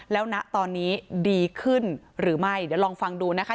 แล้วณตอนนี้ดีขึ้นหรือไม่เดี๋ยวลองฟังดูนะคะ